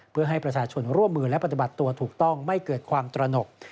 เพื่อให้ประชาชนร่วมมือและปฏิบัติตัวถูกต้องไม่เกิดความตระหนก